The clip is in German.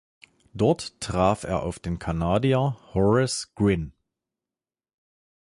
Dort traf er auf den Kanadier Horace Gwynne.